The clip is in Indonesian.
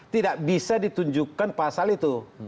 tidak bisa ditunjukkan pasal itu